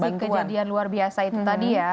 dari kejadian luar biasa itu tadi ya